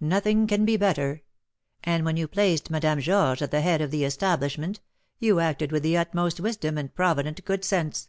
Nothing can be better; and when you placed Madame Georges at the head of the establishment, you acted with the utmost wisdom and provident good sense.